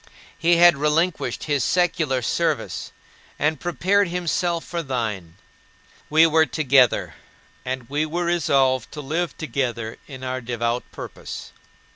He had relinquished his secular service, and prepared himself for thine. We were together, and we were resolved to live together in our devout purpose.